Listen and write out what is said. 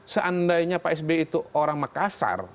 seandainya pak sby itu orang makassar